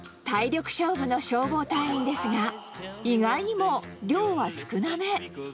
体力勝負の消防隊員ですが、意外にも、量は少なめ。